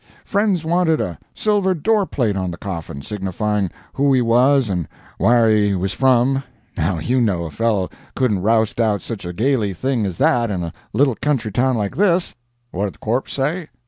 "Friends wanted a silver door plate on the coffin, signifying who he was and wher' he was from. Now you know a fellow couldn't roust out such a gaily thing as that in a little country town like this. What did corpse say?